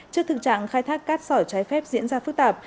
trước thực trạng khai thác cát sỏi trái phép diễn ra phức tạp